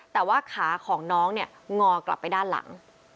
แต่ว่าขาของน้องเนี่ยงอกลับไปด้านหลัง